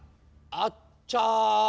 あっちゃ。